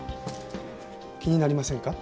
気になりませんか？